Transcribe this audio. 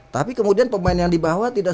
tapi kemudian pemain yang dibawa tidak